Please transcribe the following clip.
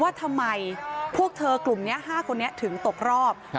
ว่าทำไมพวกเธอกลุ่มเนี้ยห้าคนนี้ถึงตกรอบครับ